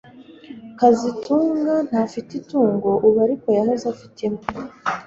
kazitunga ntafite itungo ubu ariko yahoze afite imbwa